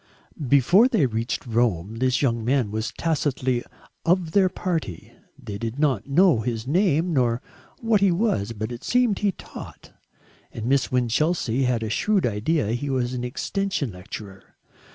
Before they reached Rome this young man was tacitly of their party. They did not know his name nor what he was, but it seemed he taught, and Miss Winchelsea had a shrewd idea he was an extension lecturer.